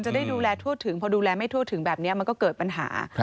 จะได้ดูแลทั่วถึงพอดูแลไม่ทั่วถึงแบบนี้มันก็เกิดปัญหา